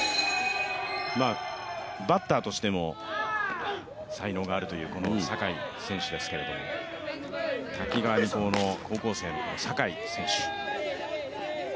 バッターとしても、才能があるという坂井選手ですけれども、滝川二高の高校生、坂井選手。